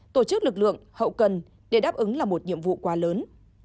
tổ chức lực lượng hậu cần để đáp ứng là một nhiệm vụ quá lớn